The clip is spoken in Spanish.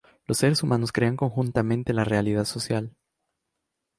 Los seres humanos crean conjuntamente la realidad social.